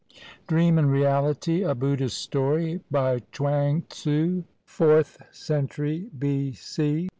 DREAM AND REALITY, A BUDDHIST STORY BY CHUANG TZU, FOURTH CENTURY B.C.